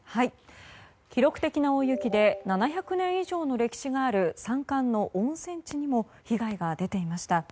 記録的な大雪で７００年以上の歴史がある山間の温泉地にも被害が出ていました。